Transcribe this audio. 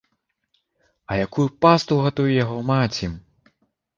А якую пасту гатуе яго маці!